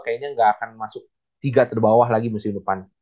kayaknya nggak akan masuk tiga terbawah lagi musim depan